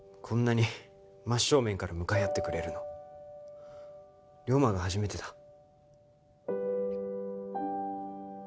こんなに真っ正面から向かい合ってくれるの龍馬が初めてだ。